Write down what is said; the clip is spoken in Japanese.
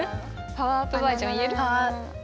パワーアップバージョン。